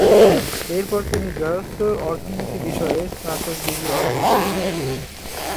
এরপর তিনি গার্হস্থ্য অর্থনীতি বিষয়ে স্নাতক ডিগ্রী অর্জন করেন।